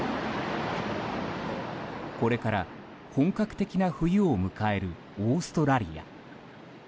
これから本格的な冬を迎えるオーストラリア。